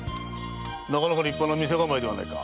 なかなか立派な店構えではないか。